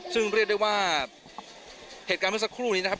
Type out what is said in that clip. ซึ่งเรียกได้ว่าเหตุการณ์เมื่อสักครู่นี้นะครับ